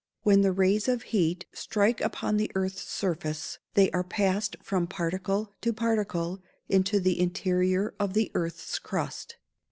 When the rays of heat strike upon the earth's surface, they are passed from particle to particle into the interior of the earth's crust.